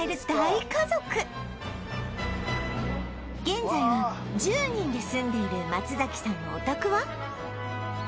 現在は１０人で住んでいる松さんのお宅は